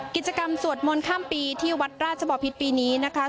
กิจกรรมสวดมนต์ข้ามปีที่วัดราชบอพิษปีนี้นะคะ